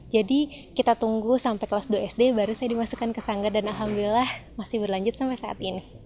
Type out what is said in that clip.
jadi kita tunggu sampai kelas dua sd baru saya dimasukkan ke sangga dan alhamdulillah masih berlanjut sampai saat ini